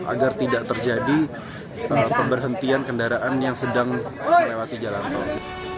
agar tidak terjadi pemberhentian kendaraan yang sedang melewati jalan tol